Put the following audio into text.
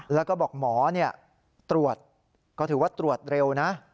แล้วก็บอกหมอตรวจก็ถือว่าตรวจเร็วนะ